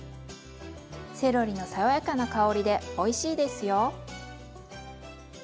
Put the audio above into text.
セロリの爽やかな香りでおいしいですよ。